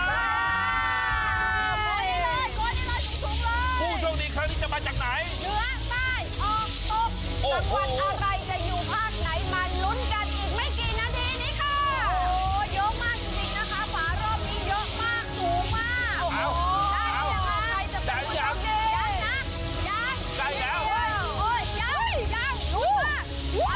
ได้ผู้โชคดีแล้ว